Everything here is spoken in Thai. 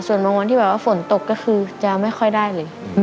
ส่วนบางวันที่แบบว่าฝนตกก็คือจะไม่ค่อยได้เลย